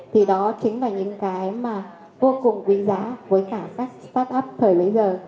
thì đó chính là những cái mà vô cùng quý giá với cả các start up thời bấy giờ